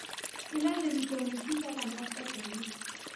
کېله د ویټامین C سره مرسته کوي.